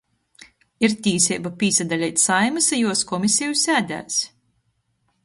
Ir tīseiba pīsadaleit Saeimys i juos komiseju sēdēs